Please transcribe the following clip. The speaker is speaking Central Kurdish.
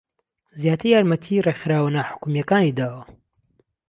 زیاتر یارمەتی ڕێکخراوە ناحوکمییەکانی داوە